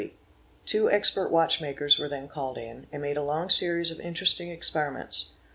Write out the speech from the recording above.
Two expert watchmakers were then called in, and made a long series of inter esting experiments.